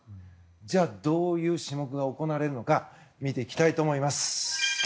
じゃあ、どういう種目が行われるのか見ていきたいと思います。